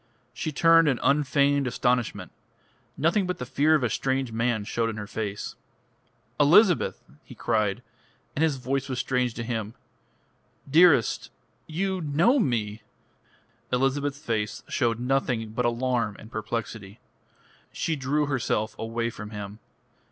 She turned in unfeigned astonishment. Nothing but the fear of a strange man showed in her face. "Elizabeth," he cried, and his voice was strange to him: "dearest you know me?" Elizabeth's face showed nothing but alarm and perplexity. She drew herself away from him.